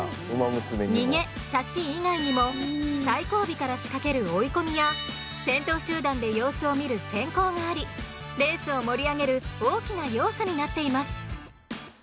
「逃げ」「差し」以外にも最後尾から仕掛ける「追い込み」や先頭集団で様子を見る「先行」がありレースを盛り上げる大きな要素になっています。